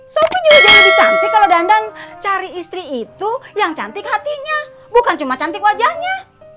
sopi juga jauh lebih cantik kalau dandan cari istri itu yang cantik hatinya bukan cuma cantik wajahnya